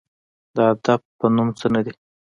د ادب په نوم څه نه دي